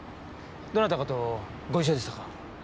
どなたかとご一緒でしたか？